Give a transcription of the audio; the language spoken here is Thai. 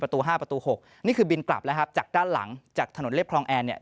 ห้าประตูหกนี่คือบินกลับแล้วครับจากด้านหลังจากถนนเรียบคลองแอนเนี่ย